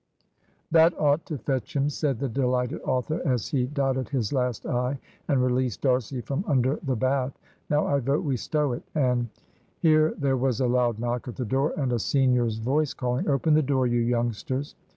"That ought to fetch him," said the delighted author, as he dotted his last "i," and released D'Arcy from under the bath. "Now I vote we stow it, and " Here there was a loud knock at the door and a senior's voice calling, "Open the door, you youngsters."